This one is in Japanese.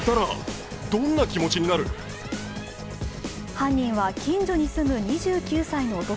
犯人は近所に住む２９歳の男。